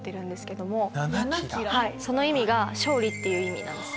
はいその意味が勝利っていう意味なんです。